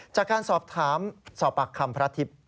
จากการสอบถามสอบปากคำพระทิพย์